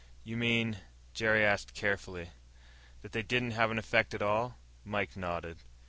"You mean," Jerry asked carefully, "that they didn't have any effect at all?" Mike nodded.